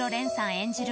演じる